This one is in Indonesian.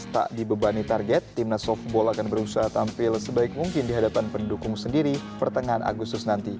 tak dibebani target timnas softball akan berusaha tampil sebaik mungkin di hadapan pendukung sendiri pertengahan agustus nanti